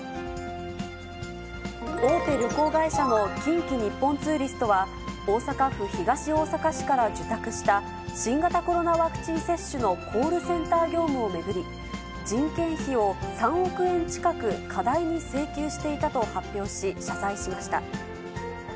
大手旅行会社の近畿日本ツーリストは、大阪府東大阪市から受託した新型コロナワクチン接種のコールセンター業務を巡り、人件費を３億円近く過大に請求していたと発表し、謝罪しました。